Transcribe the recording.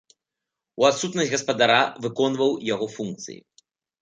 У адсутнасць гаспадара выконваў яго функцыі.